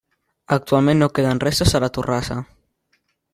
Actualment no queden restes de la torrassa.